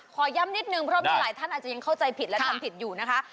ขอย้ำนิดนึงเพราะมีหลายท่านอาจจะยังเข้าใจผิดและทำผิดอยู่นะคะ